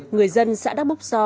người dân xã đắk bốc so